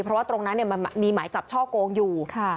เพราะว่าตรงนั้นมันมีหมายจับช่อโกงอยู่